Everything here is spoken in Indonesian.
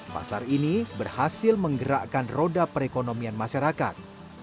pasar ini berhasil menggerakkan roda perekonomian masyarakat